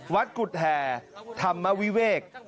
วัดกุฏแห่ธรรมวิเวก